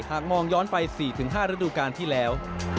หากมองย้อนไป๔๕ฤดูการที่แล้ว